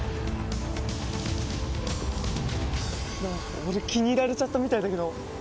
俺気に入られちゃったみたいだけど。